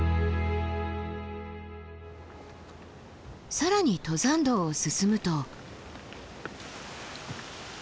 更に登山道を進むと。